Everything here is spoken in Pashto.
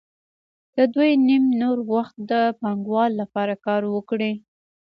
که دوی نیم نور وخت د پانګوال لپاره کار وکړي